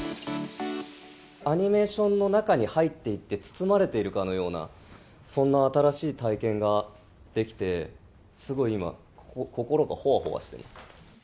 アニメーションの中に入っていって、包まれているかのような、そんな新しい体験ができて、すごい今、心がほわほわしています。